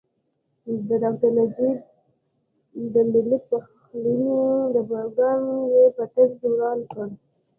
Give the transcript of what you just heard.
د ډاکټر نجیب د ملي پخلاینې پروګرام یې په طنز وران کړ.